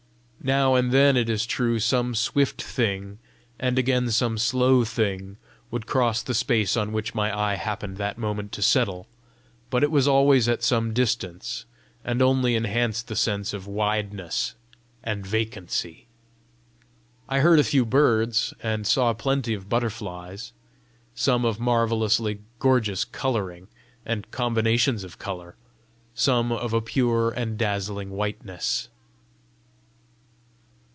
Now and then, it is true, some swift thing, and again some slow thing, would cross the space on which my eye happened that moment to settle; but it was always at some distance, and only enhanced the sense of wideness and vacancy. I heard a few birds, and saw plenty of butterflies, some of marvellously gorgeous colouring and combinations of colour, some of a pure and dazzling whiteness.